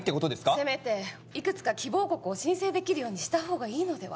せめていくつか希望国を申請できるようにした方がいいのでは！？